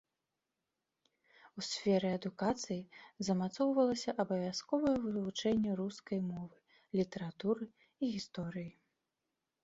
У сферы адукацыі замацоўвалася абавязковае вывучэнне рускай мовы, літаратуры і гісторыі.